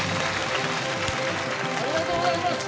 ありがとうございます。